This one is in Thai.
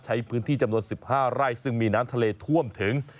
ใช้พื้นที่จำนวน๑๕ไร่ซึ่งมีน้ำทะเลท่วมถึง